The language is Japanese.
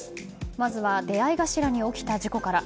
まずは出合い頭に起きた事故から。